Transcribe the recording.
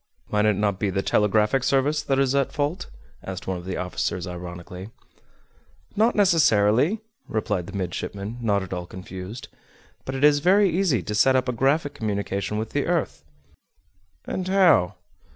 "Might it not be the telegraphic service that is at fault?" asked one of the officers ironically. "Not necessarily," replied the midshipman, not at all confused. "But it is very easy to set up a graphic communication with the earth." "And how?"